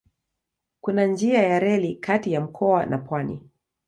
Kuna njia ya reli kati ya mkoa na pwani.